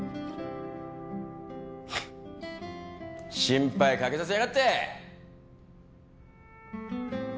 フッ心配かけさせやがって！